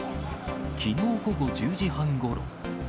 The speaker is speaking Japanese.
きのう午後１０時半ごろ。